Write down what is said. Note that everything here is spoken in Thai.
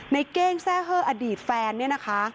เก้งแทร่เฮอร์อดีตแฟนเนี่ยนะคะ